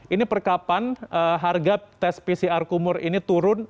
ini perkapan harga tes pcr kumur ini turun